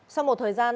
sau một thời gian